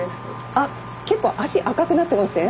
あ結構足赤くなってません？